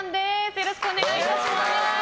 よろしくお願いします。